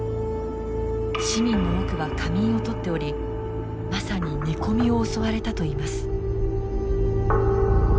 市民の多くは仮眠をとっておりまさに寝込みを襲われたといいます。